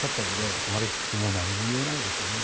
そこまで聞いたら何も言えないですね。